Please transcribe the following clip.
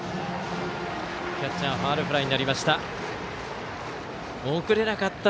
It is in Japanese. キャッチャーファウルフライになりました。